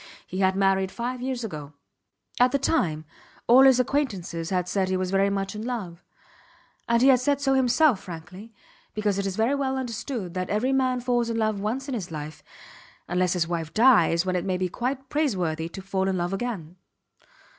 He had married five years ago. At the time all his acquaintances had said he was very much in love; and he had said so himself, frankly, because it is very well understood that every man falls in love once in his life unless his wife dies, when it may be quite praiseworthy to fall in love again.